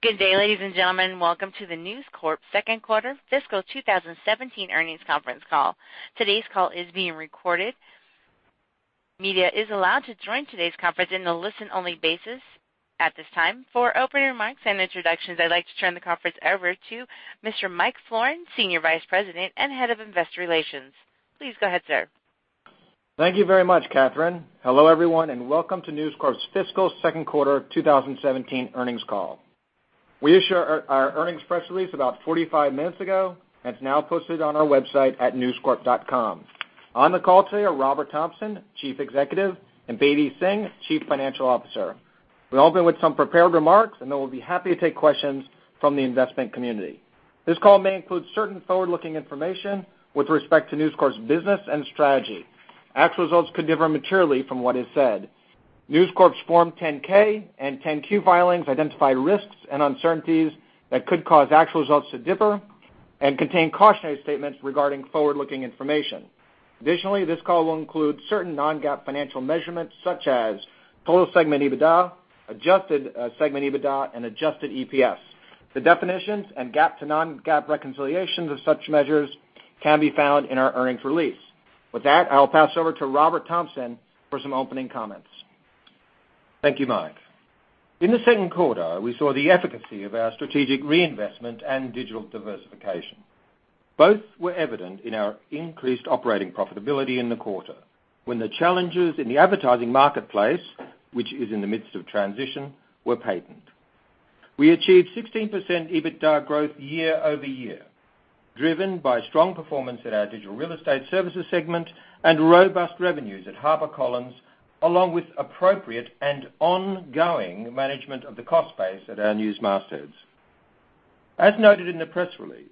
Good day, ladies and gentlemen. Welcome to the News Corp second quarter fiscal 2017 earnings conference call. Today's call is being recorded. Media is allowed to join today's conference in a listen-only basis at this time. For opening remarks and introductions, I'd like to turn the conference over to Mr. Mike Florin, Senior Vice President and Head of Investor Relations. Please go ahead, sir. Thank you very much, Catherine. Hello, everyone, and welcome to News Corp's fiscal second quarter 2017 earnings call. We issued our earnings press release about 45 minutes ago, and it's now posted on our website at newscorp.com. On the call today are Robert Thomson, Chief Executive, and Bedi Singh, Chief Financial Officer. We'll open with some prepared remarks, and then we'll be happy to take questions from the investment community. This call may include certain forward-looking information with respect to News Corp's business and strategy. Actual results could differ materially from what is said. News Corp's Form 10-K and 10-Q filings identify risks and uncertainties that could cause actual results to differ and contain cautionary statements regarding forward-looking information. Additionally, this call will include certain non-GAAP financial measurements such as total segment EBITDA, adjusted segment EBITDA, and adjusted EPS. The definitions and GAAP to non-GAAP reconciliations of such measures can be found in our earnings release. With that, I'll pass over to Robert Thomson for some opening comments. Thank you, Mike. In the second quarter, we saw the efficacy of our strategic reinvestment and digital diversification. Both were evident in our increased operating profitability in the quarter, when the challenges in the advertising marketplace, which is in the midst of transition, were patent. We achieved 16% EBITDA growth year-over-year, driven by strong performance in our Digital Real Estate Services segment and robust revenues at HarperCollins, along with appropriate and ongoing management of the cost base at our News mastheads. As noted in the press release,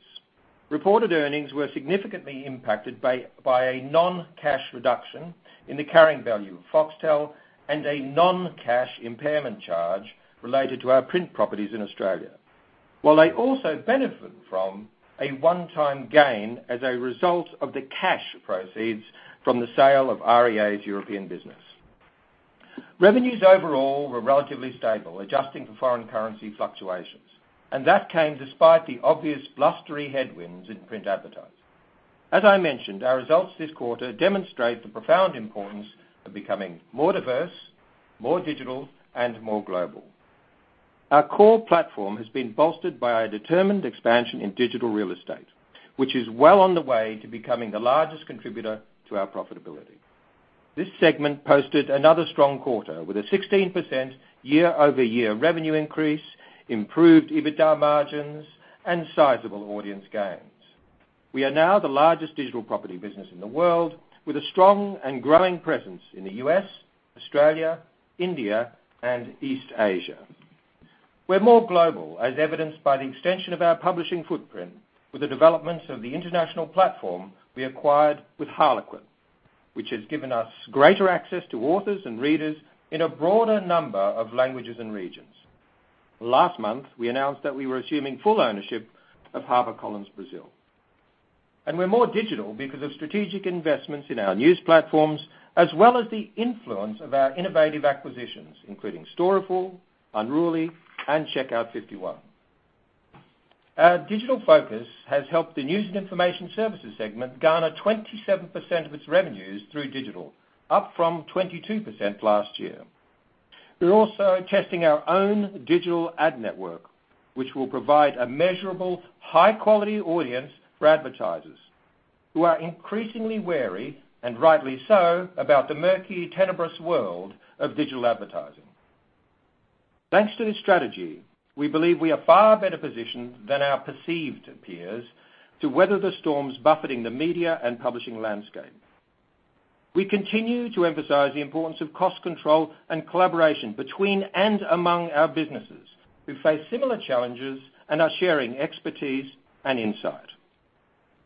reported earnings were significantly impacted by a non-cash reduction in the carrying value of Foxtel and a non-cash impairment charge related to our print properties in Australia, while they also benefit from a one-time gain as a result of the cash proceeds from the sale of REA's European business. Revenues overall were relatively stable, adjusting for foreign currency fluctuations. That came despite the obvious blustery headwinds in print advertising. As I mentioned, our results this quarter demonstrate the profound importance of becoming more diverse, more digital, and more global. Our core platform has been bolstered by a determined expansion in Digital Real Estate Services, which is well on the way to becoming the largest contributor to our profitability. This segment posted another strong quarter with a 16% year-over-year revenue increase, improved EBITDA margins, and sizable audience gains. We are now the largest digital property business in the world, with a strong and growing presence in the U.S., Australia, India, and East Asia. We're more global, as evidenced by the extension of our publishing footprint with the developments of the international platform we acquired with Harlequin, which has given us greater access to authors and readers in a broader number of languages and regions. Last month, we announced that we were assuming full ownership of HarperCollins Brasil. We're more digital because of strategic investments in our news platforms, as well as the influence of our innovative acquisitions, including Storyful, Unruly, and Checkout 51. Our digital focus has helped the News and Information Services segment garner 27% of its revenues through digital, up from 22% last year. We're also testing our own digital ad network, which will provide a measurable high-quality audience for advertisers who are increasingly wary, and rightly so, about the murky, tenebrous world of digital advertising. Thanks to this strategy, we believe we are far better positioned than our perceived peers to weather the storms buffeting the media and publishing landscape. We continue to emphasize the importance of cost control and collaboration between and among our businesses who face similar challenges and are sharing expertise and insight.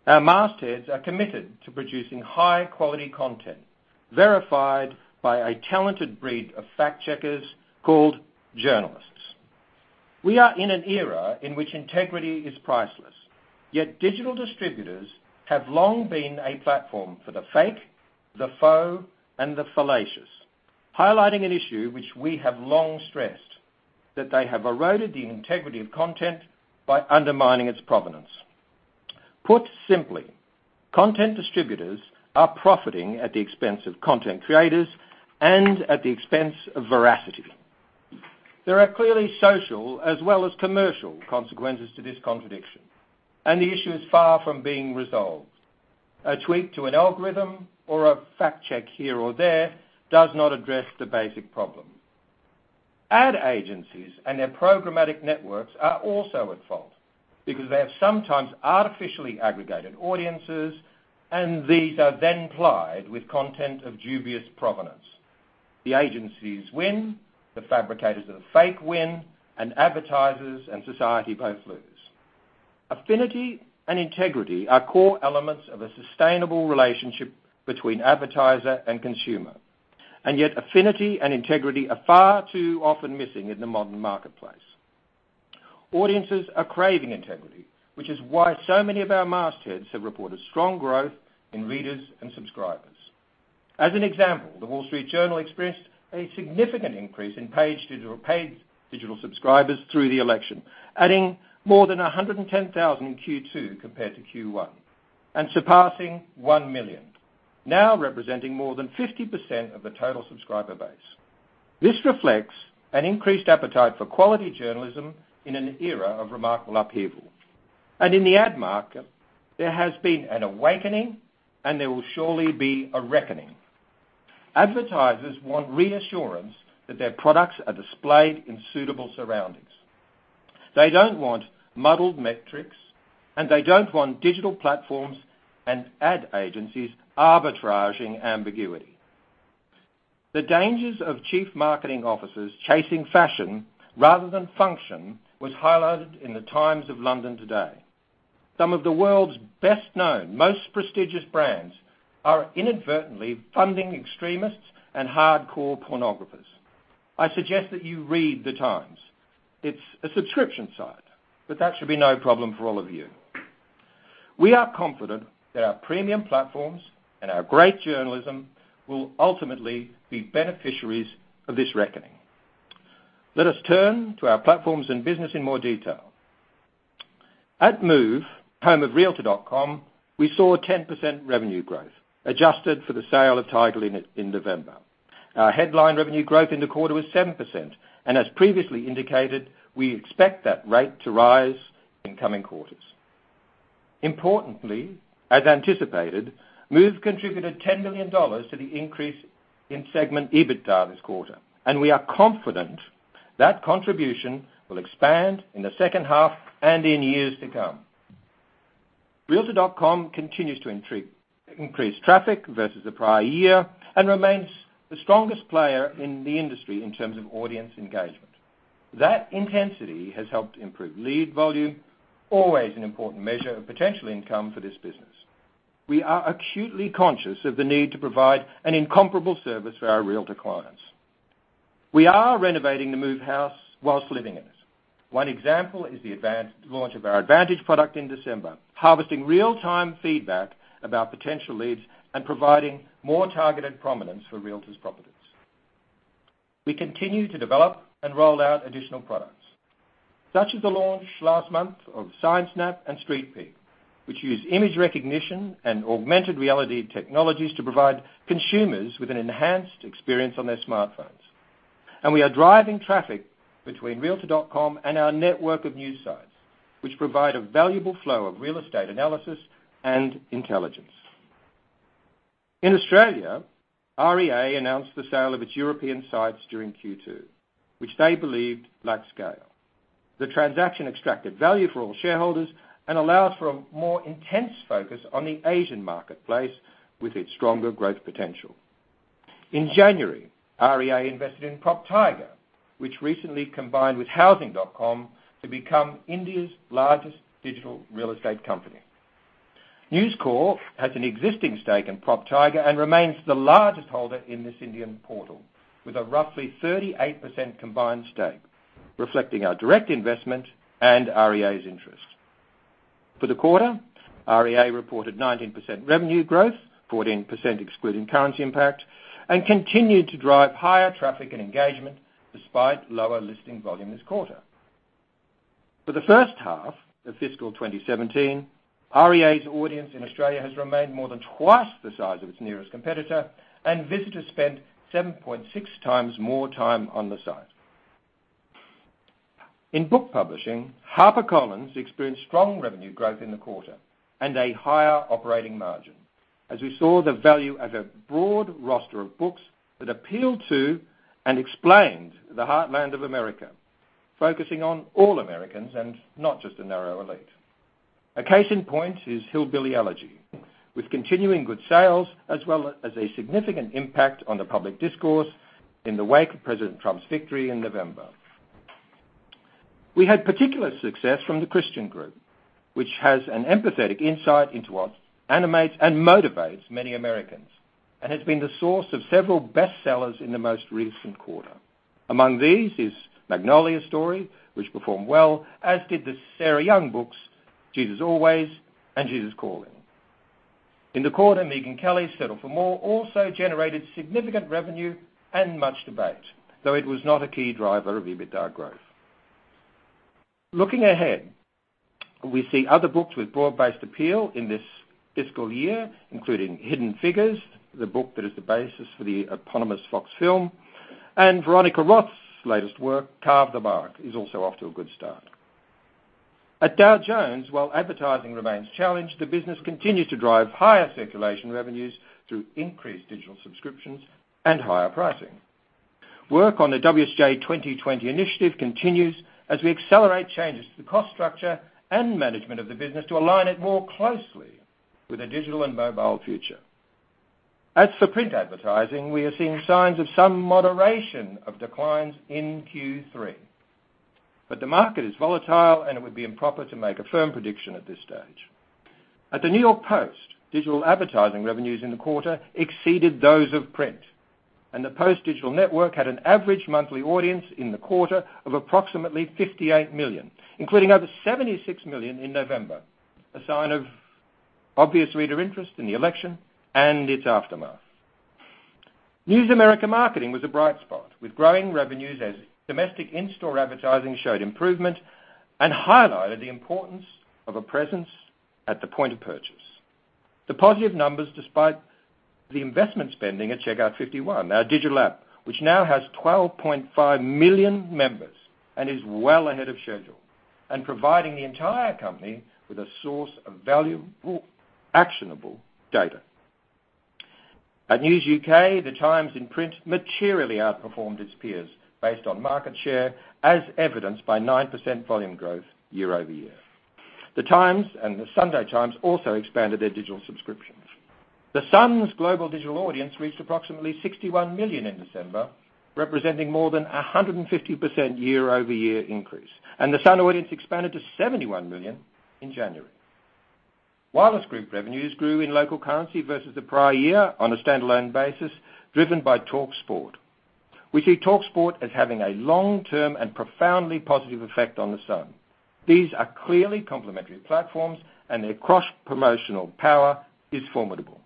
Our mastheads are committed to producing high-quality content, verified by a talented breed of fact-checkers called journalists. We are in an era in which integrity is priceless, yet digital distributors have long been a platform for the fake, the faux, and the fallacious, highlighting an issue which we have long stressed, that they have eroded the integrity of content by undermining its provenance. Put simply, content distributors are profiting at the expense of content creators and at the expense of veracity. There are clearly social as well as commercial consequences to this contradiction. The issue is far from being resolved. A tweak to an algorithm or a fact-check here or there does not address the basic problem. Ad agencies and their programmatic networks are also at fault because they have sometimes artificially aggregated audiences. These are then plied with content of dubious provenance. The agencies win, the fabricators of the fake win. Advertisers and society both lose. Affinity and integrity are core elements of a sustainable relationship between advertiser and consumer. Yet affinity and integrity are far too often missing in the modern marketplace. Audiences are craving integrity, which is why so many of our mastheads have reported strong growth in readers and subscribers. As an example, The Wall Street Journal experienced a significant increase in paid digital subscribers through the election, adding more than 110,000 in Q2 compared to Q1, and surpassing 1 million, now representing more than 50% of the total subscriber base. This reflects an increased appetite for quality journalism in an era of remarkable upheaval. In the ad market, there has been an awakening, and there will surely be a reckoning. Advertisers want reassurance that their products are displayed in suitable surroundings. They don't want muddled metrics, and they don't want digital platforms and ad agencies arbitraging ambiguity. The dangers of chief marketing officers chasing fashion rather than function was highlighted in The Times of London today. Some of the world's best-known, most prestigious brands are inadvertently funding extremists and hardcore pornographers. I suggest that you read The Times. It's a subscription site, but that should be no problem for all of you. We are confident that our premium platforms and our great journalism will ultimately be beneficiaries of this reckoning. Let us turn to our platforms and business in more detail. At Move, home of realtor.com, we saw a 10% revenue growth, adjusted for the sale of TigerLead in November. Our headline revenue growth in the quarter was 7%, and as previously indicated, we expect that rate to rise in coming quarters. Importantly, as anticipated, Move contributed $10 million to the increase in segment EBITDA this quarter, and we are confident that contribution will expand in the second half and in years to come. realtor.com continues to increase traffic versus the prior year and remains the strongest player in the industry in terms of audience engagement. That intensity has helped improve lead volume, always an important measure of potential income for this business. We are acutely conscious of the need to provide an incomparable service for our realtor clients. We are renovating the Move house whilst living in it. One example is the launch of our Advantage Pro in December, harvesting real-time feedback about potential leads and providing more targeted prominence for realtors' properties. We continue to develop and roll out additional products, such as the launch last month of SignSnap and StreetPeep, which use image recognition and augmented reality technologies to provide consumers with an enhanced experience on their smartphones. We are driving traffic between realtor.com and our network of news sites, which provide a valuable flow of real estate analysis and intelligence. In Australia, REA announced the sale of its European sites during Q2, which they believed lacked scale. The transaction extracted value for all shareholders and allows for a more intense focus on the Asian marketplace with its stronger growth potential. In January, REA invested in PropTiger, which recently combined with housing.com to become India's largest digital real estate company. News Corp has an existing stake in PropTiger and remains the largest holder in this Indian portal, with a roughly 38% combined stake, reflecting our direct investment and REA's interest. For the quarter, REA reported 19% revenue growth, 14% excluding currency impact, and continued to drive higher traffic and engagement despite lower listing volume this quarter. For the first half of fiscal 2017, REA's audience in Australia has remained more than twice the size of its nearest competitor, and visitors spend 7.6 times more time on the site. In book publishing, HarperCollins experienced strong revenue growth in the quarter and a higher operating margin as we saw the value of a broad roster of books that appealed to and explained the heartland of America, focusing on all Americans and not just a narrow elite. A case in point is Hillbilly Elegy, with continuing good sales as well as a significant impact on the public discourse in the wake of President Donald Trump's victory in November. We had particular success from the Christian group, which has an empathetic insight into what animates and motivates many Americans and has been the source of several bestsellers in the most recent quarter. Among these is The Magnolia Story, which performed well, as did the Sarah Young books, Jesus Always and Jesus Calling. In the quarter, Megyn Kelly's Settle for More also generated significant revenue and much debate, though it was not a key driver of EBITDA growth. Looking ahead, we see other books with broad-based appeal in this fiscal year, including Hidden Figures, the book that is the basis for the eponymous Fox film, and Veronica Roth's latest work, Carve the Mark, is also off to a good start. At Dow Jones, while advertising remains challenged, the business continues to drive higher circulation revenues through increased digital subscriptions and higher pricing. Work on the WSJ 2020 initiative continues as we accelerate changes to the cost structure and management of the business to align it more closely with a digital and mobile future. As for print advertising, we are seeing signs of some moderation of declines in Q3. The market is volatile, and it would be improper to make a firm prediction at this stage. At the New York Post, digital advertising revenues in the quarter exceeded those of print. The Post digital network had an average monthly audience in the quarter of approximately 58 million, including over 76 million in November, a sign of obvious reader interest in the election and its aftermath. News America Marketing was a bright spot, with growing revenues as domestic in-store advertising showed improvement and highlighted the importance of a presence at the point of purchase. The positive numbers despite the investment spending at Checkout 51, our digital app, which now has 12.5 million members and is well ahead of schedule, and providing the entire company with a source of valuable, actionable data. At News UK, The Times in print materially outperformed its peers based on market share, as evidenced by 9% volume growth year-over-year. The Times and The Sunday Times also expanded their digital subscriptions. The Sun's global digital audience reached approximately 61 million in December, representing more than 150% year-over-year increase, and The Sun audience expanded to 71 million in January. Wireless Group revenues grew in local currency versus the prior year on a standalone basis, driven by talkSPORT. We see talkSPORT as having a long-term and profoundly positive effect on The Sun. These are clearly complementary platforms, and their cross-promotional power is formidable.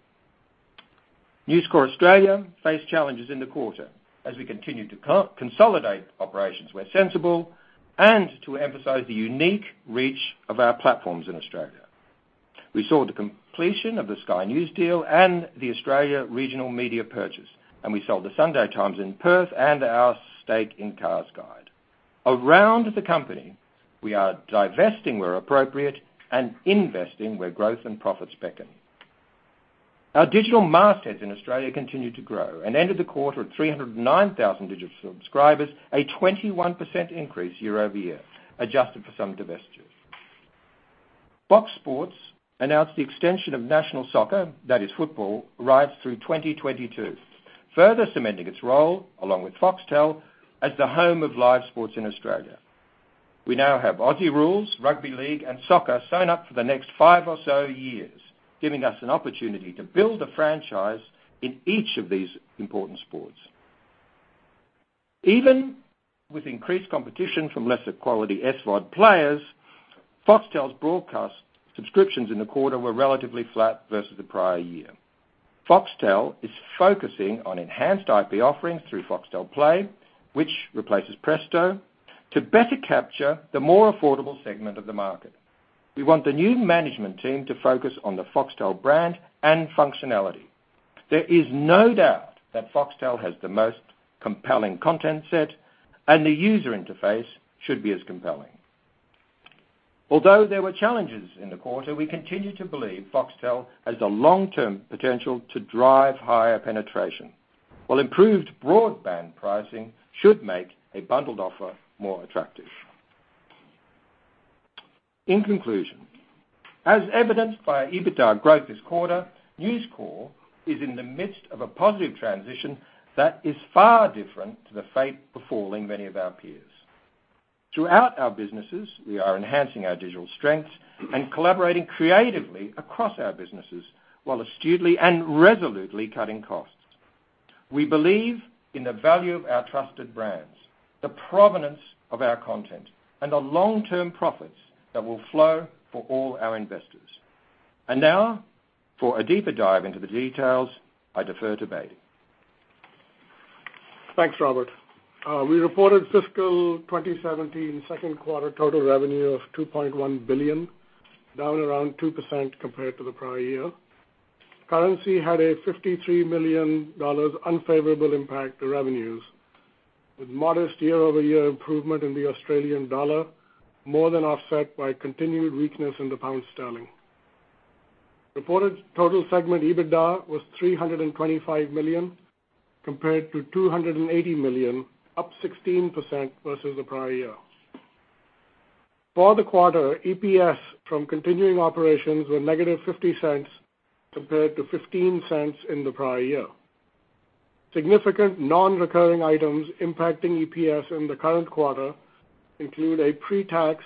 News Corp Australia faced challenges in the quarter as we continued to consolidate operations where sensible and to emphasize the unique reach of our platforms in Australia. We saw the completion of the Sky News deal and the Australian Regional Media purchase, and we sold The Sunday Times in Perth and our stake in CarsGuide. Around the company, we are divesting where appropriate and investing where growth and profits beckon. Our digital mastheads in Australia continued to grow and ended the quarter at 309,000 digital subscribers, a 21% increase year-over-year, adjusted for some divestitures. Fox Sports announced the extension of national soccer, that is football, rights through 2022, further cementing its role, along with Foxtel, as the home of live sports in Australia. We now have Aussie rules, rugby league, and soccer signed up for the next five or so years, giving us an opportunity to build a franchise in each of these important sports. Even with increased competition from lesser quality SVOD players, Foxtel's broadcast subscriptions in the quarter were relatively flat versus the prior year. Foxtel is focusing on enhanced IP offerings through Foxtel Play, which replaces Presto, to better capture the more affordable segment of the market. We want the new management team to focus on the Foxtel brand and functionality. There is no doubt that Foxtel has the most compelling content set, and the user interface should be as compelling. Although there were challenges in the quarter, we continue to believe Foxtel has the long-term potential to drive higher penetration, while improved broadband pricing should make a bundled offer more attractive. In conclusion, as evidenced by our EBITDA growth this quarter, News Corp is in the midst of a positive transition that is far different to the fate befalling many of our peers. Throughout our businesses, we are enhancing our digital strengths and collaborating creatively across our businesses while astutely and resolutely cutting costs. We believe in the value of our trusted brands, the provenance of our content, and the long-term profits that will flow for all our investors. Now, for a deeper dive into the details, I defer to Bedi. Thanks, Robert. We reported fiscal 2017 second quarter total revenue of $2.1 billion, down around 2% compared to the prior year. Currency had a $53 million unfavorable impact to revenues, with modest year-over-year improvement in the Australian dollar more than offset by continued weakness in the pound sterling. Reported total segment EBITDA was $325 million compared to $280 million, up 16% versus the prior year. For the quarter, EPS from continuing operations were negative $0.50 compared to $0.15 in the prior year. Significant non-recurring items impacting EPS in the current quarter include a pre-tax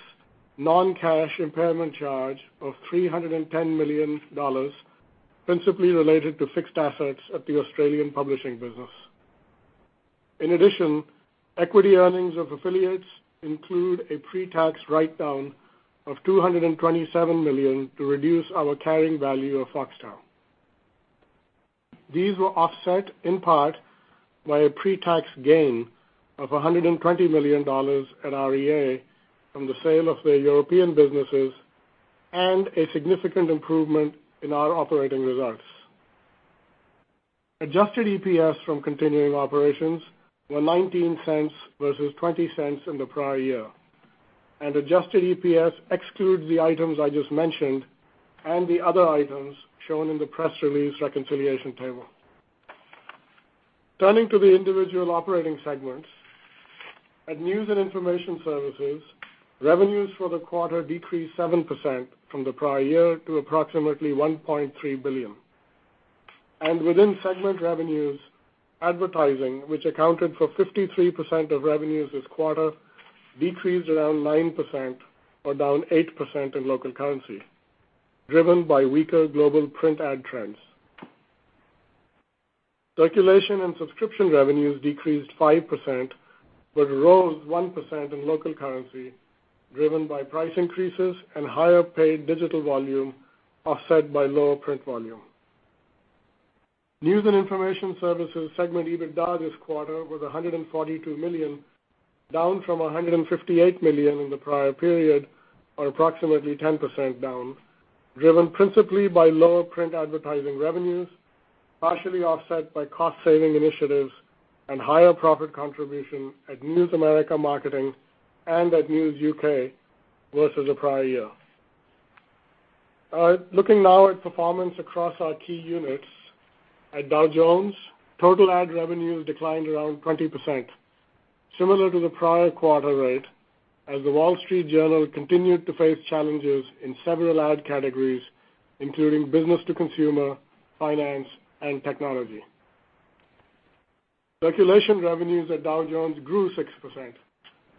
non-cash impairment charge of $310 million, principally related to fixed assets at the Australian publishing business. In addition, equity earnings of affiliates include a pre-tax write-down of $227 million to reduce our carrying value of Foxtel. These were offset in part by a pre-tax gain of $120 million at REA from the sale of their European businesses and a significant improvement in our operating results. Adjusted EPS from continuing operations were $0.19 versus $0.20 in the prior year. Adjusted EPS excludes the items I just mentioned and the other items shown in the press release reconciliation table. Turning to the individual operating segments, at News and Information Services, revenues for the quarter decreased 7% from the prior year to approximately $1.3 billion. Within segment revenues, advertising, which accounted for 53% of revenues this quarter, decreased around 9%, or down 8% in local currency. Driven by weaker global print ad trends. Circulation and subscription revenues decreased 5%, but rose 1% in local currency, driven by price increases and higher paid digital volume, offset by lower print volume. News and Information Services segment EBITDA this quarter was $142 million, down from $158 million in the prior period, or approximately 10% down, driven principally by lower print advertising revenues, partially offset by cost saving initiatives and higher profit contribution at News America Marketing and at News UK versus the prior year. Looking now at performance across our key units. At Dow Jones, total ad revenues declined around 20%, similar to the prior quarter rate, as The Wall Street Journal continued to face challenges in several ad categories, including business to consumer, finance, and technology. Circulation revenues at Dow Jones grew 6%,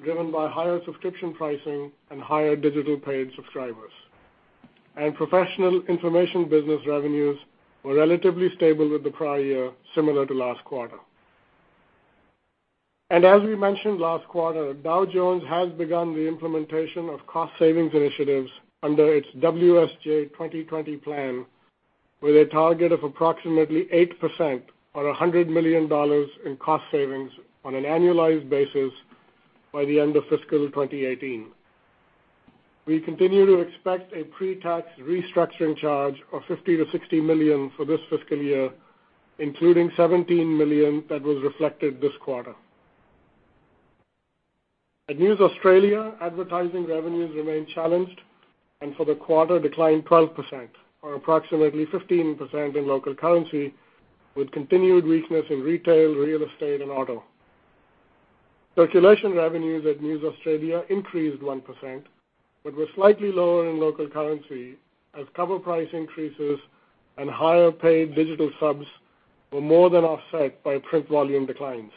driven by higher subscription pricing and higher digital paid subscribers. Professional information business revenues were relatively stable with the prior year, similar to last quarter. As we mentioned last quarter, Dow Jones has begun the implementation of cost savings initiatives under its WSJ 2020 plan, with a target of approximately 8% or $100 million in cost savings on an annualized basis by the end of fiscal 2018. We continue to expect a pre-tax restructuring charge of $50 million-$60 million for this fiscal year, including $17 million that was reflected this quarter. At News Australia, advertising revenues remain challenged, and for the quarter declined 12%, or approximately 15% in local currency, with continued weakness in retail, real estate and auto. Circulation revenues at News Australia increased 1%, but were slightly lower in local currency as cover price increases and higher paid digital subs were more than offset by print volume declines.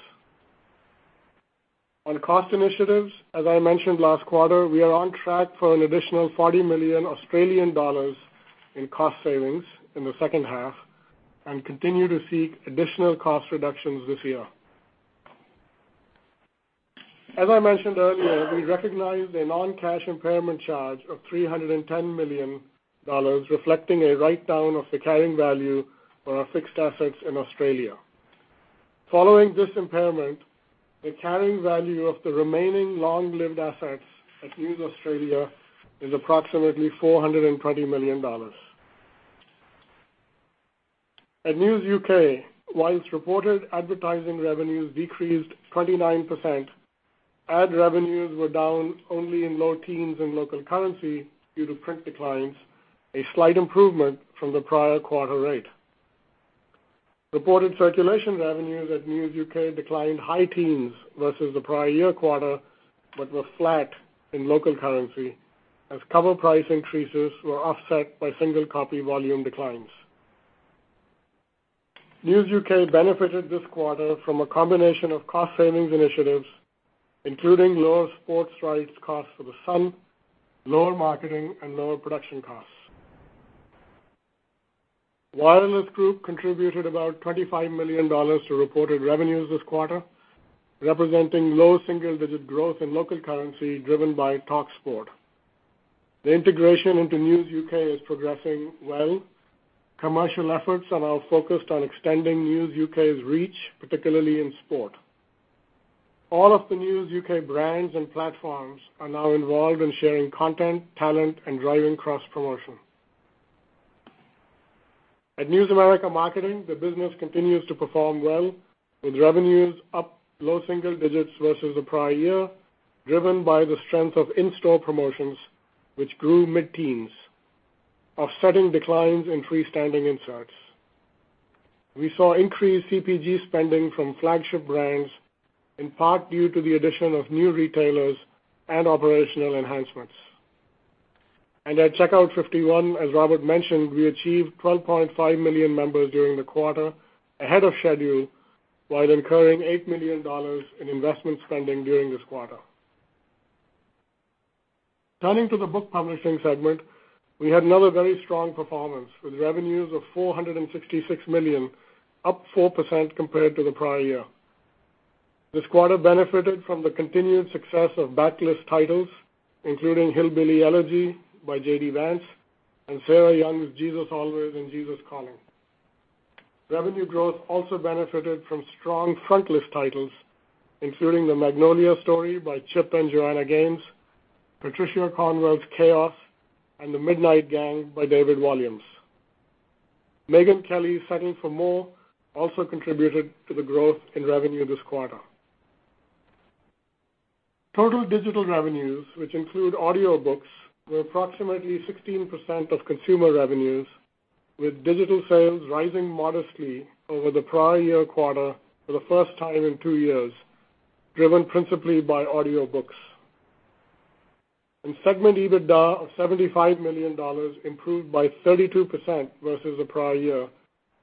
On cost initiatives, as I mentioned last quarter, we are on track for an additional 40 million Australian dollars in cost savings in the second half and continue to seek additional cost reductions this year. As I mentioned earlier, we recognized a non-cash impairment charge of $310 million, reflecting a write-down of the carrying value for our fixed assets in Australia. Following this impairment, the carrying value of the remaining long-lived assets at News Australia is approximately $420 million. At News UK, whilst reported advertising revenues decreased 29%, ad revenues were down only in low teens in local currency due to print declines, a slight improvement from the prior quarter rate. Reported circulation revenues at News UK declined high teens versus the prior year quarter, but were flat in local currency, as cover price increases were offset by single copy volume declines. News UK benefited this quarter from a combination of cost savings initiatives, including lower sports rights costs for The Sun, lower marketing, and lower production costs. Wireless Group contributed about $25 million to reported revenues this quarter, representing low single-digit growth in local currency driven by talkSPORT. The integration into News UK is progressing well. Commercial efforts are now focused on extending News UK's reach, particularly in sport. All of the News UK brands and platforms are now involved in sharing content, talent, and driving cross-promotion. At News America Marketing, the business continues to perform well, with revenues up low single digits versus the prior year, driven by the strength of in-store promotions, which grew mid-teens, offsetting declines in freestanding inserts. We saw increased CPG spending from flagship brands, in part due to the addition of new retailers and operational enhancements. At Checkout 51, as Robert mentioned, we achieved 12.5 million members during the quarter, ahead of schedule, while incurring $8 million in investment spending during this quarter. Turning to the Book Publishing segment, we had another very strong performance, with revenues of $466 million, up 4% compared to the prior year. This quarter benefited from the continued success of backlist titles, including "Hillbilly Elegy" by J.D. Vance and Sarah Young's "Jesus Always" and "Jesus Calling." Revenue growth also benefited from strong frontlist titles, including "The Magnolia Story" by Chip and Joanna Gaines, Patricia Cornwell's "Chaos," and "The Midnight Gang" by David Walliams. Megyn Kelly's "Settle for More" also contributed to the growth in revenue this quarter. Total digital revenues, which include audiobooks, were approximately 16% of consumer revenues, with digital sales rising modestly over the prior year quarter for the first time in two years, driven principally by audiobooks. Segment EBITDA of $75 million improved by 32% versus the prior year,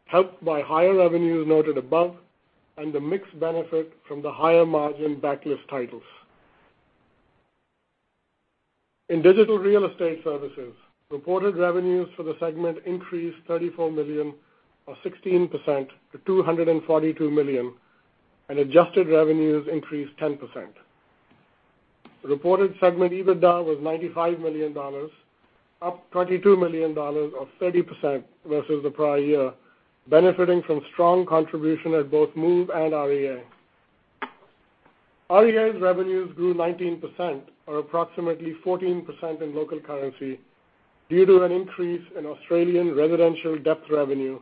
helped by higher revenues noted above and the mix benefit from the higher margin backlist titles. In Digital Real Estate Services, reported revenues for the segment increased $34 million or 16% to $242 million and adjusted revenues increased 10%. Reported segment EBITDA was $95 million, up $22 million or 30% versus the prior year, benefiting from strong contribution at both Move and REA. REA's revenues grew 19%, or approximately 14% in local currency due to an increase in Australian residential depth revenue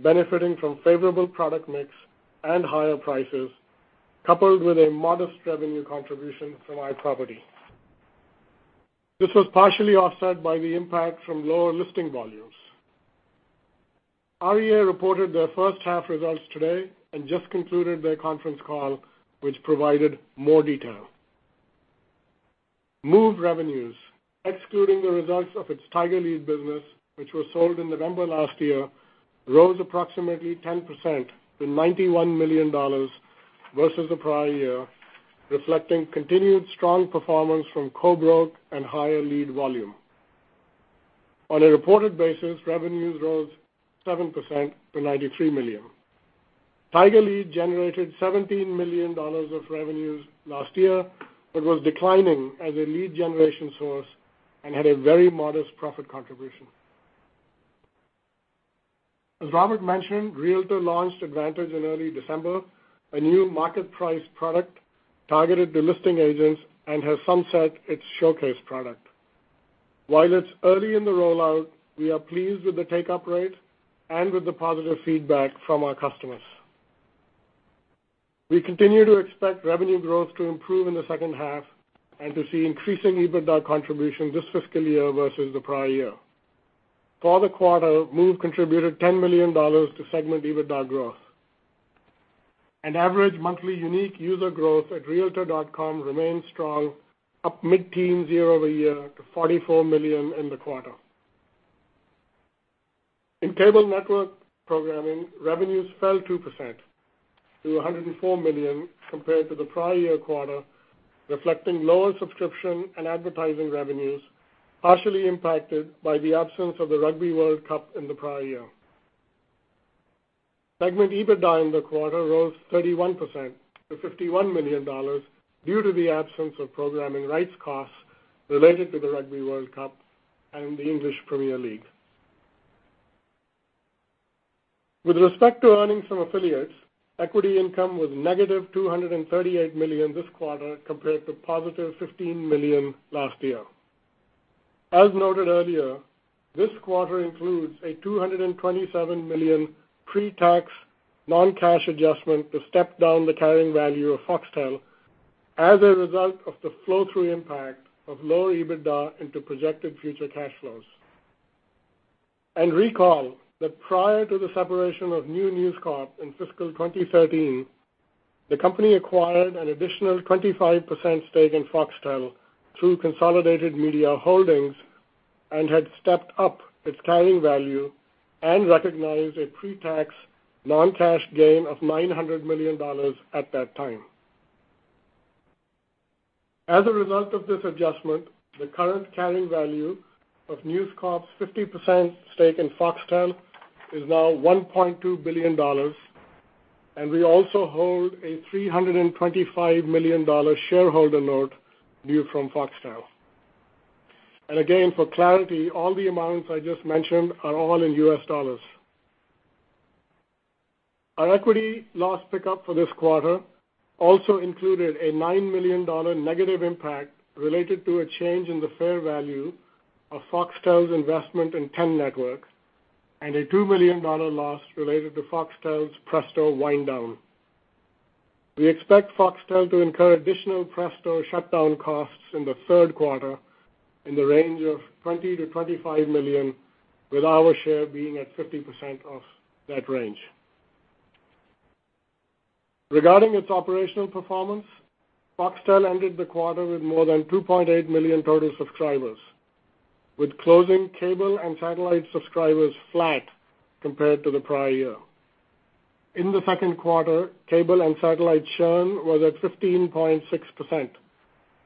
benefiting from favorable product mix and higher prices, coupled with a modest revenue contribution from iProperty. This was partially offset by the impact from lower listing volumes. REA reported their first half results today and just concluded their conference call, which provided more detail. Move revenues, excluding the results of its TigerLead business, which was sold in November last year, rose approximately 10% to $91 million versus the prior year, reflecting continued strong performance from co-broke and higher lead volume. On a reported basis, revenues rose 7% to $93 million. TigerLead generated $17 million of revenues last year, but was declining as a lead generation source and had a very modest profit contribution. As Robert mentioned, realtor.com launched Advantage in early December, a new market price product targeted to listing agents and has sunset its Showcase product. While it's early in the rollout, we are pleased with the take-up rate and with the positive feedback from our customers. We continue to expect revenue growth to improve in the second half and to see increasing EBITDA contribution this fiscal year versus the prior year. For the quarter, Move contributed $10 million to segment EBITDA growth. Average monthly unique user growth at realtor.com remains strong, up mid-teens year-over-year to 44 million in the quarter. In cable network programming, revenues fell 2% to $104 million compared to the prior year quarter, reflecting lower subscription and advertising revenues, partially impacted by the absence of the Rugby World Cup in the prior year. Segment EBITDA in the quarter rose 31% to $51 million due to the absence of programming rights costs related to the Rugby World Cup and the English Premier League. With respect to earnings from affiliates, equity income was negative $238 million this quarter compared to positive $15 million last year. As noted earlier, this quarter includes a $227 million pre-tax non-cash adjustment to step down the carrying value of Foxtel as a result of the flow-through impact of lower EBITDA into projected future cash flows. Recall that prior to the separation of New News Corp in fiscal 2013, the company acquired an additional 25% stake in Foxtel through Consolidated Media Holdings and had stepped up its carrying value and recognized a pre-tax non-cash gain of $900 million at that time. As a result of this adjustment, the current carrying value of News Corp's 50% stake in Foxtel is now $1.2 billion, and we also hold a $325 million shareholder note due from Foxtel. Again, for clarity, all the amounts I just mentioned are all in U.S. dollars. Our equity loss pickup for this quarter also included a $9 million negative impact related to a change in the fair value of Foxtel's investment in Network Ten and a $2 million loss related to Foxtel's Presto wind down. We expect Foxtel to incur additional Presto shutdown costs in the third quarter in the range of $20 million to $25 million, with our share being at 50% of that range. Regarding its operational performance, Foxtel ended the quarter with more than 2.8 million total subscribers, with closing cable and satellite subscribers flat compared to the prior year. In the second quarter, cable and satellite churn was at 15.6%,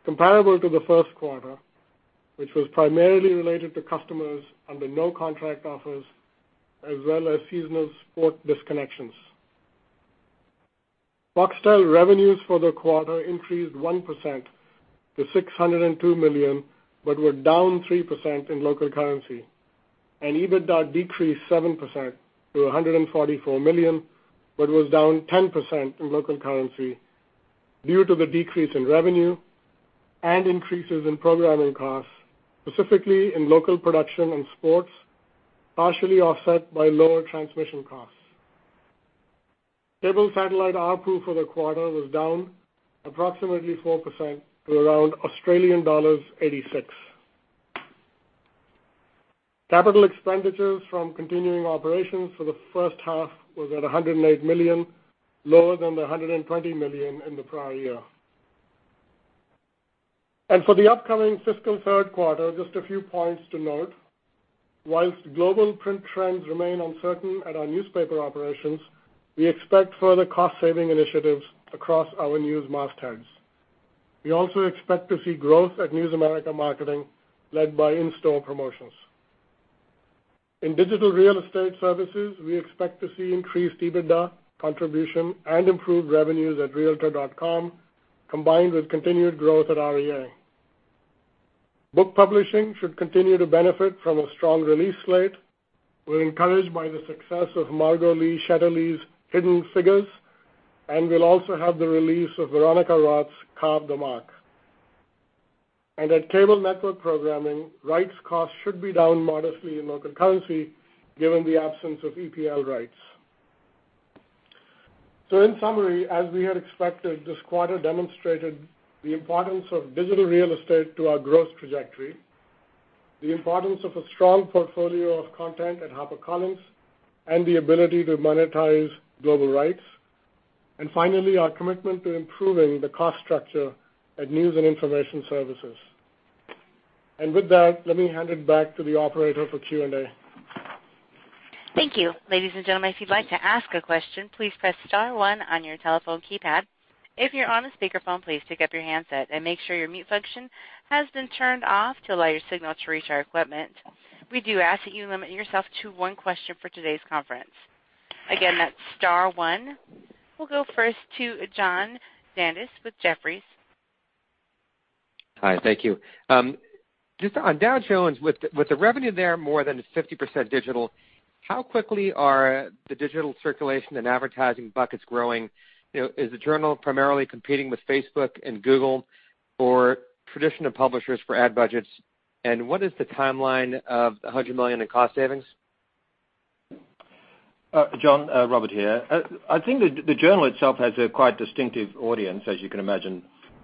comparable to the first quarter, which was primarily related to customers under no contract offers, as well as seasonal sport disconnections. Foxtel revenues for the quarter increased 1% to $602 million, but were down 3% in local currency, and EBITDA decreased 7% to $144 million. Was down 10% in local currency due to the decrease in revenue and increases in programming costs, specifically in local production and sports, partially offset by lower transmission costs. Cable satellite ARPU for the quarter was down approximately 4% to around AUD 86. Capital expenditures from continuing operations for the first half was at $108 million, lower than the $120 million in the prior year. For the upcoming fiscal third quarter, just a few points to note. Whilst global print trends remain uncertain at our newspaper operations, we expect further cost-saving initiatives across our news mastheads. We also expect to see growth at News America Marketing led by in-store promotions. In digital real estate services, we expect to see increased EBITDA contribution and improved revenues at realtor.com, combined with continued growth at REA. Book publishing should continue to benefit from a strong release slate. We're encouraged by the success of Margot Lee Shetterly's "Hidden Figures," we'll also have the release of Veronica Roth's "Carve the Mark." At Cable Network Programming, rights costs should be down modestly in local currency given the absence of EPL rights. In summary, as we had expected, this quarter demonstrated the importance of digital real estate to our growth trajectory, the importance of a strong portfolio of content at HarperCollins, and the ability to monetize global rights. Finally, our commitment to improving the cost structure at News and Information Services. With that, let me hand it back to the operator for Q&A. Thank you. Ladies and gentlemen, if you'd like to ask a question, please press star one on your telephone keypad. If you're on a speakerphone, please pick up your handset and make sure your mute function has been turned off to allow your signal to reach our equipment. We do ask that you limit yourself to one question for today's conference. Again, that's star one. We'll go first to John Janedis with Jefferies. Hi, thank you. Just on Dow Jones, with the revenue there more than 50% digital, how quickly are the digital circulation and advertising buckets growing? Is the journal primarily competing with Facebook and Google or traditional publishers for ad budgets? What is the timeline of the $100 million in cost savings? John, Robert here. I think the journal itself has a quite distinctive audience, as you can imagine,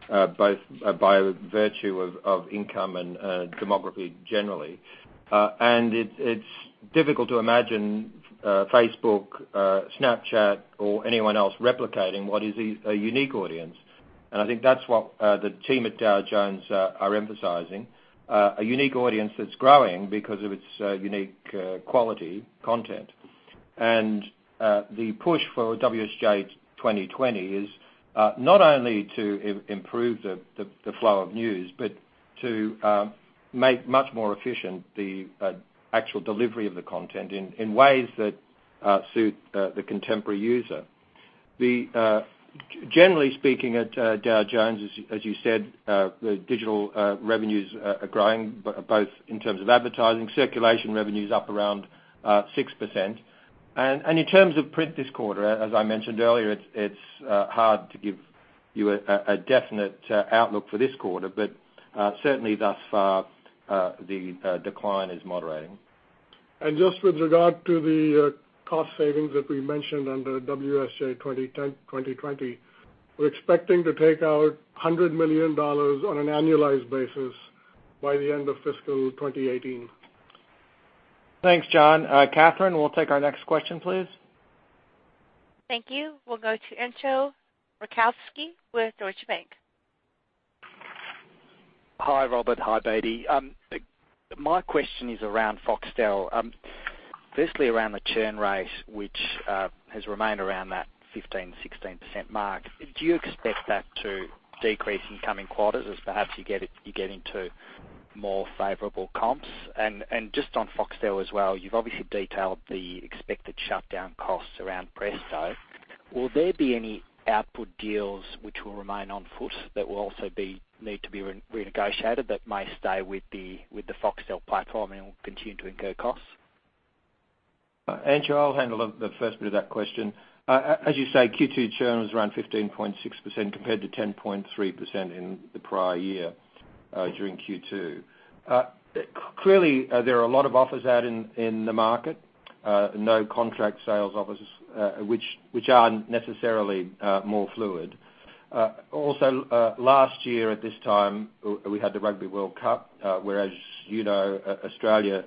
both by virtue of income and demography generally. It's difficult to imagine Facebook, Snapchat, or anyone else replicating what is a unique audience. I think that's what the team at Dow Jones are emphasizing, a unique audience that's growing because of its unique quality content. The push for WSJ 2020 is not only to improve the flow of news, but to make much more efficient the actual delivery of the content in ways that suit the contemporary user. Generally speaking, at Dow Jones, as you said, the digital revenues are growing both in terms of advertising. Circulation revenue's up around 6%. In terms of print this quarter, as I mentioned earlier, it's hard to give you a definite outlook for this quarter. Certainly thus far, the decline is moderating. Just with regard to the cost savings that we mentioned under WSJ 2020, we're expecting to take out $100 million on an annualized basis by the end of fiscal 2018. Thanks, John. Catherine, we'll take our next question, please. Thank you. We'll go to Entcho Raykovski with Deutsche Bank. Hi, Robert. Hi, Susan Panuccio. My question is around Foxtel. Firstly, around the churn rate, which has remained around that 15%-16% mark. Do you expect that to decrease in coming quarters as perhaps you get into more favorable comps? Just on Foxtel as well, you've obviously detailed the expected shutdown costs around Presto. Will there be any output deals which will remain on foot that will also need to be renegotiated, that may stay with the Foxtel platform and will continue to incur costs? Entcho, I'll handle the first bit of that question. As you say, Q2 churn was around 15.6% compared to 10.3% in the prior year during Q2. Clearly, there are a lot of offers out in the market, no contract sales offers, which are necessarily more fluid. Also, last year at this time, we had the Rugby World Cup, whereas you know Australia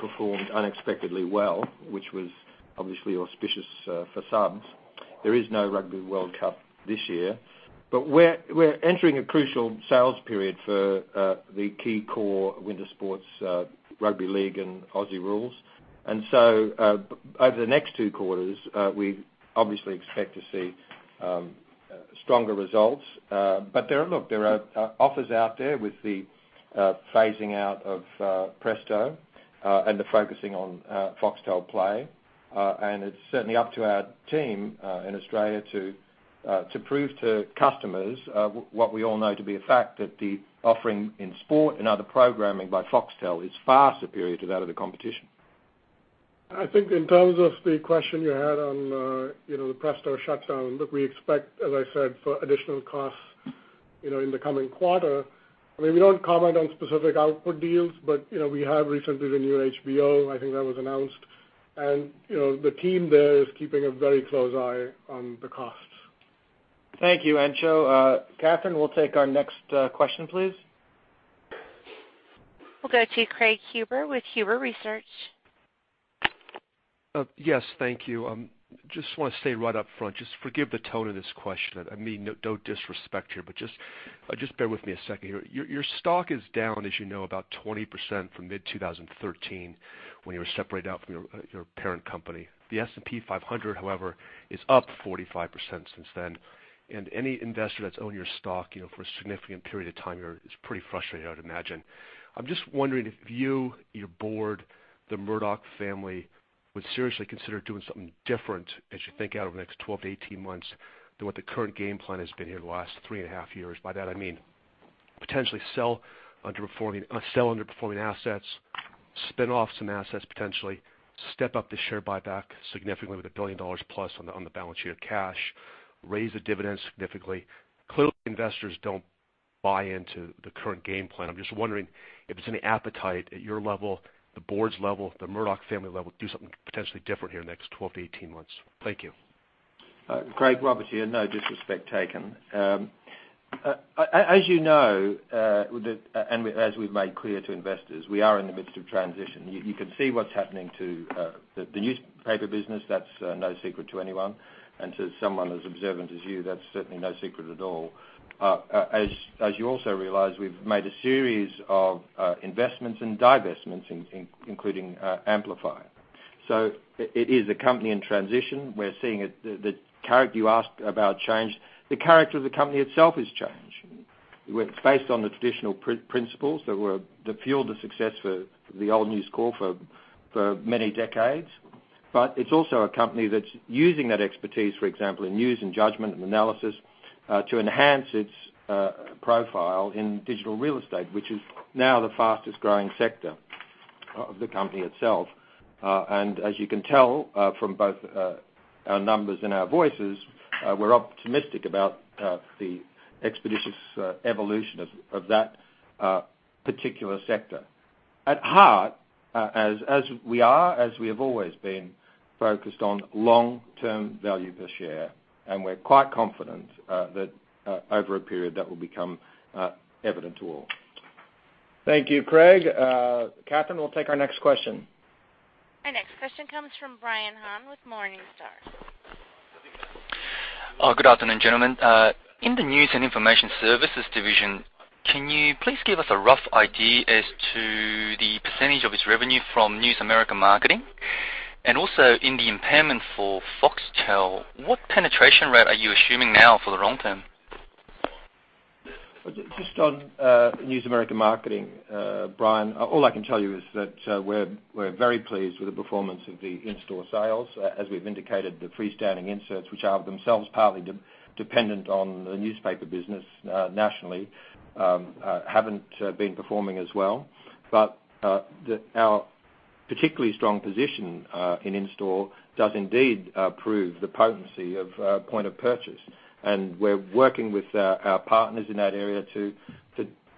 performed unexpectedly well, which was obviously auspicious for subs. There is no Rugby World Cup this year. We're entering a crucial sales period for the key core winter sports Rugby League and Aussie Rules. Over the next two quarters, we obviously expect to see stronger results. Look, there are offers out there with the phasing out of Presto and the focusing on Foxtel Play. It's certainly up to our team in Australia to prove to customers what we all know to be a fact, that the offering in sport and other programming by Foxtel is far superior to that of the competition. I think in terms of the question you had on the Presto shutdown, look, we expect, as I said, for additional costs in the coming quarter. We don't comment on specific output deals, but we have recently renewed HBO, I think that was announced. The team there is keeping a very close eye on the costs. Thank you, Entcho. Catherine, we'll take our next question, please. We'll go to Craig Huber with Huber Research. Yes. Thank you. Just want to say right up front, just forgive the tone of this question. I mean no disrespect here, bear with me a second here. Your stock is down, as you know, about 20% from mid-2013 when you were separated out from your parent company. The S&P 500, however, is up 45% since then. Any investor that's owned your stock for a significant period of time here is pretty frustrated, I would imagine. I'm just wondering if you, your board, the Murdoch family would seriously consider doing something different as you think out over the next 12 to 18 months than what the current game plan has been here the last three and a half years. By that, I mean potentially sell underperforming assets, spin off some assets potentially, step up the share buyback significantly with $1 billion plus on the balance sheet of cash, raise the dividends significantly. Clearly, investors don't buy into the current game plan. I'm just wondering if there's any appetite at your level, the board's level, the Murdoch family level to do something potentially different here in the next 12 to 18 months. Thank you. Craig, Robert here. No disrespect taken. As you know, as we've made clear to investors, we are in the midst of transition. You can see what's happening to the newspaper business. That's no secret to anyone. To someone as observant as you, that's certainly no secret at all. As you also realize, we've made a series of investments and divestments, including Amplify. It is a company in transition. You asked about change. The character of the company itself has changed. It's based on the traditional principles that fueled the success for the old News Corp for many decades. It's also a company that's using that expertise, for example, in news and judgment and analysis, to enhance its profile in Digital Real Estate, which is now the fastest-growing sector of the company itself. As you can tell from both our numbers and our voices, we're optimistic about the expeditious evolution of that particular sector. At heart, as we are, as we have always been, focused on long-term value per share, and we're quite confident that over a period, that will become evident to all. Thank you, Craig. Catherine, we'll take our next question. Our next question comes from Brian Han with Morningstar. Good afternoon, gentlemen. In the News and Information Services division, can you please give us a rough idea as to the percentage of its revenue from News America Marketing? Also, in the impairment for Foxtel, what penetration rate are you assuming now for the long term? Just on News America Marketing, Brian, all I can tell you is that we're very pleased with the performance of the in-store sales. As we've indicated, the freestanding inserts, which are themselves partly dependent on the newspaper business nationally, haven't been performing as well. Our particularly strong position in in-store does indeed prove the potency of point of purchase. We're working with our partners in that area to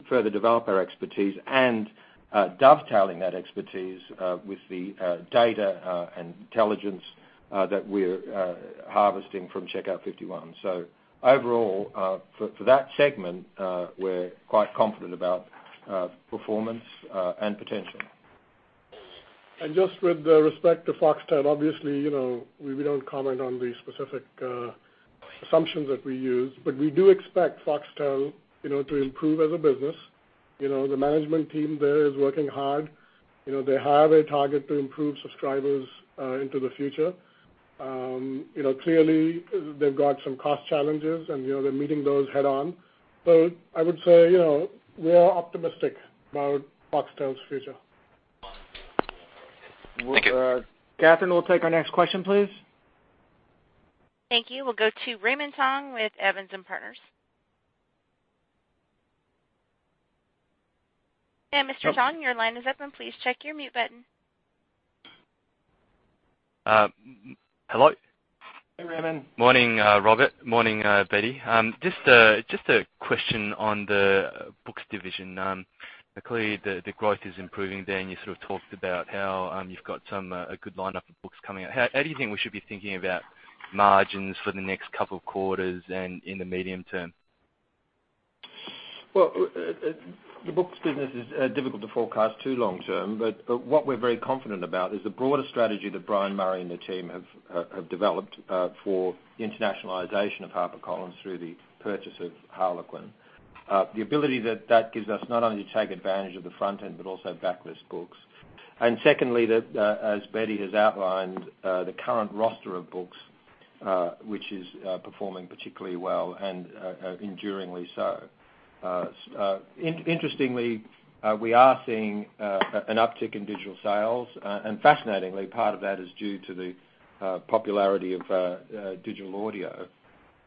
further develop our expertise and dovetailing that expertise with the data and intelligence that we're harvesting from Checkout 51. Overall, for that segment, we're quite confident about performance and potential. Just with respect to Foxtel, obviously, we don't comment on the specific assumptions that we use, we do expect Foxtel to improve as a business. The management team there is working hard. They have a target to improve subscribers into the future. Clearly, they've got some cost challenges, they're meeting those head-on. I would say, we are optimistic about Foxtel's future. Thank you. Catherine, we'll take our next question, please. Thank you. We'll go to Raymond Tong with Evans and Partners. Mr. Tong, your line is open. Please check your mute button. Hello. Hey, Raymond. Morning, Robert. Morning, Betty. Just a question on the Books division. Clearly, the growth is improving there, and you sort of talked about how you've got a good lineup of books coming out. How do you think we should be thinking about margins for the next couple of quarters and in the medium term? Well, the Books business is difficult to forecast too long term, but what we're very confident about is the broader strategy that Brian Murray and the team have developed for the internationalization of HarperCollins through the purchase of Harlequin. The ability that that gives us not only to take advantage of the front end but also backlist books. Secondly, as Betty has outlined, the current roster of books, which is performing particularly well and enduringly so. Interestingly, we are seeing an uptick in digital sales, fascinatingly, part of that is due to the popularity of digital audio.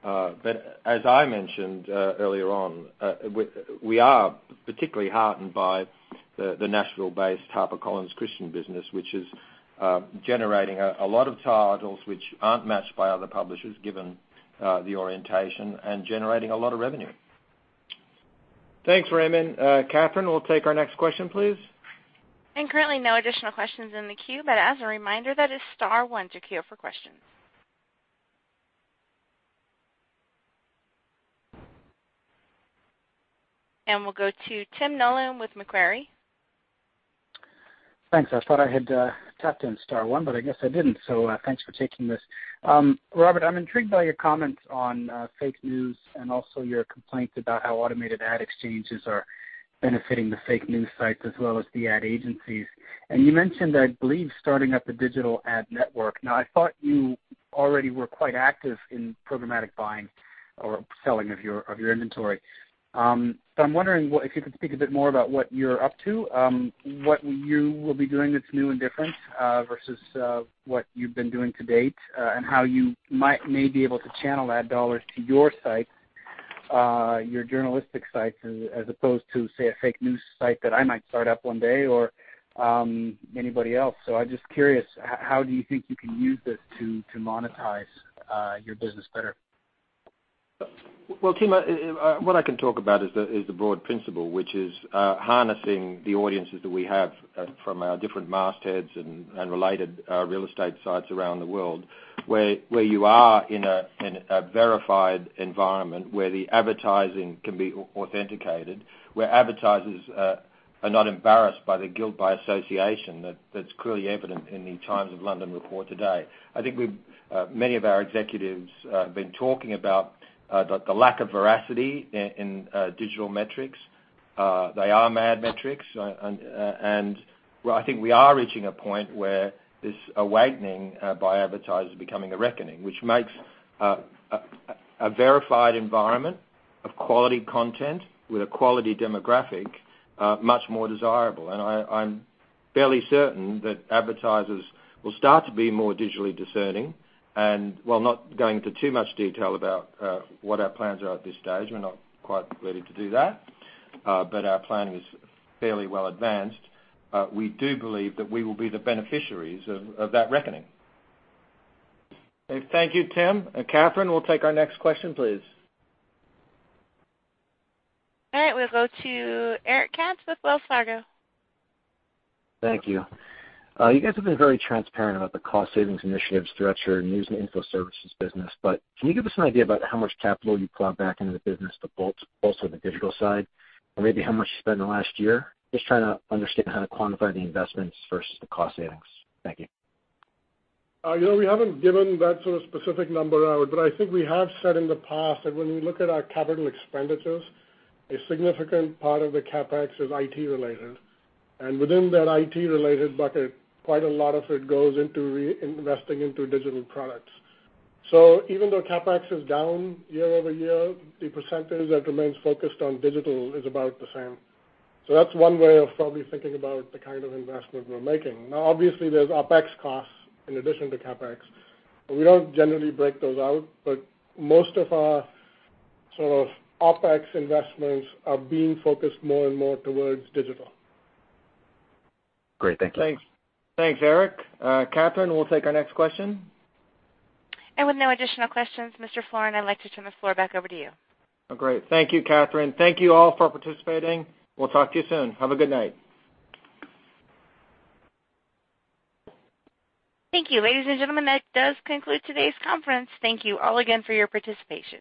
As I mentioned earlier on, we are particularly heartened by the Nashville-based HarperCollins Christian business, which is generating a lot of titles which aren't matched by other publishers, given the orientation, and generating a lot of revenue. Thanks, Raymond. Catherine, we'll take our next question, please. Currently no additional questions in the queue, as a reminder, that is star one to queue for questions. We'll go to Tim Nollen with Macquarie. Thanks. I thought I had tapped in star one, I guess I didn't. Thanks for taking this. Robert, I'm intrigued by your comments on fake news and also your complaints about how automated ad exchanges are benefiting the fake news sites as well as the ad agencies. You mentioned, I believe, starting up a digital ad network. I thought you already were quite active in programmatic buying or selling of your inventory. I'm wondering if you could speak a bit more about what you're up to, what you will be doing that's new and different, versus what you've been doing to date, and how you may be able to channel ad dollars to your sites, your journalistic sites, as opposed to, say, a fake news site that I might start up one day or anybody else. I'm just curious, how do you think you can use this to monetize your business better? Well, Tim, what I can talk about is the broad principle, which is harnessing the audiences that we have from our different mastheads and related real estate sites around the world, where you are in a verified environment where the advertising can be authenticated, where advertisers are not embarrassed by the guilt by association that's clearly evident in the Times of London report today. I think many of our executives have been talking about the lack of veracity in digital metrics. They are mad metrics, and I think we are reaching a point where this awakening by advertisers is becoming a reckoning, which makes a verified environment of quality content with a quality demographic much more desirable. I'm fairly certain that advertisers will start to be more digitally discerning. While not going into too much detail about what our plans are at this stage, we're not quite ready to do that, but our planning is fairly well advanced. We do believe that we will be the beneficiaries of that reckoning. Thank you, Tim. Catherine, we'll take our next question, please. All right. We'll go to Eric Katz with Wells Fargo. Thank you. You guys have been very transparent about the cost savings initiatives throughout your News and Information Services business. Can you give us an idea about how much capital you plow back into the business to bolster the digital side, and maybe how much you spent in the last year? Just trying to understand how to quantify the investments versus the cost savings. Thank you. We haven't given that sort of specific number out, I think we have said in the past that when we look at our capital expenditures, a significant part of the CapEx is IT related, and within that IT related bucket, quite a lot of it goes into reinvesting into digital products. Even though CapEx is down year-over-year, the percentage that remains focused on digital is about the same. That's one way of probably thinking about the kind of investment we're making. Obviously there's OpEx costs in addition to CapEx. We don't generally break those out, but most of our sort of OpEx investments are being focused more and more towards digital. Great. Thank you. Thanks. Thanks, Eric. Catherine, we'll take our next question. With no additional questions, Mr. Florin, I'd like to turn the floor back over to you. Great. Thank you, Catherine. Thank you all for participating. We'll talk to you soon. Have a good night. Thank you. Ladies and gentlemen, that does conclude today's conference. Thank you all again for your participation.